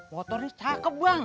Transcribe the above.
motor ini cakep bang